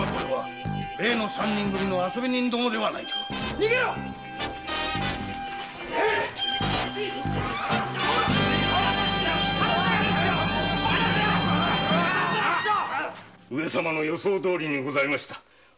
逃げろ上様の予想どおりにございました。